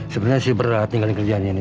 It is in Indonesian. sebenarnya sih berat tinggalin kerjanya ini